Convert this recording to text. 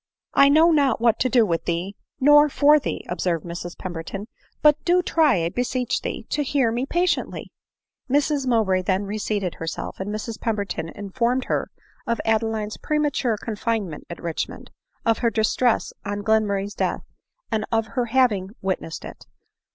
" I know not what to do with thee nor for thee," observed Mrs Pemberton ;" but do try, I beseech thee, to hear me patiently !" Mrs Mowbray then reseated herself; and Mrs Pem berton informed her of Adeline's premature confinement at Richmond ; of her distress on Glenmurray's death, and of her having witnessed it.